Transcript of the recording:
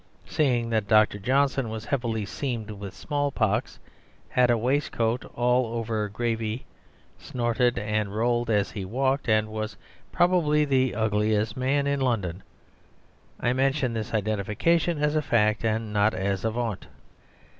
Seeing that Dr. Johnson was heavily seamed with small pox, had a waistcoat all over gravy, snorted and rolled as he walked, and was probably the ugliest man in London, I mention this identification as a fact and not as a vaunt.